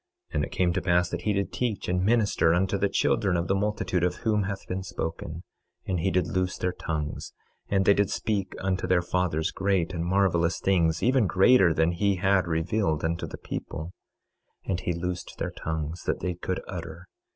26:14 And it came to pass that he did teach and minister unto the children of the multitude of whom hath been spoken, and he did loose their tongues, and they did speak unto their fathers great and marvelous things, even greater than he had revealed unto the people; and he loosed their tongues that they could utter.